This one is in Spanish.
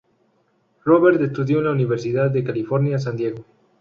Robert estudió en la Universidad de California, San Diego.